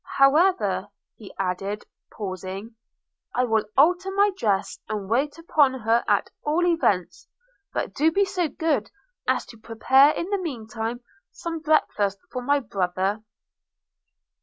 However,' added he, pausing, 'I will alter my dress, and wait upon her at all events; and do be so good as to prepare in the mean time some breakfast for my brother.'